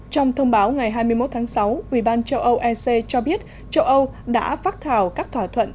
trong thông báo ngày hai mươi một tháng sáu ubnd châu âu ec cho biết châu âu đã phác thảo các thỏa thuận